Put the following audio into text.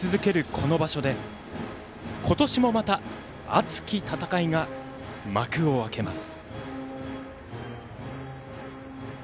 この場所で今年もまた熱き戦いが幕を明けます。